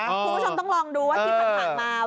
คุณผู้ชมต้องลองดูว่าที่ผ่านมา